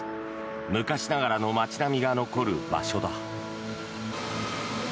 昔ながらの街並みが残る場所だ。